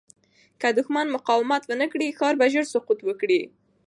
که دښمن مقاومت ونه کړي، ښار به ژر سقوط وکړي.